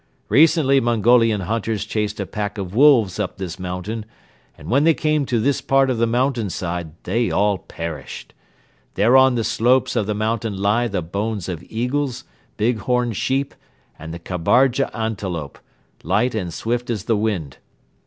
Recently Mongolian hunters chased a pack of wolves up this mountain and, when they came to this part of the mountainside, they all perished. There on the slopes of the mountain lie the bones of eagles, big horned sheep and the kabarga antelope, light and swift as the wind.